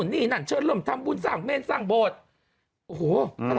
นี่นั่นเชิญเริ่มทำบุญสร้างเมนสร้างโบสถ์โอ้โห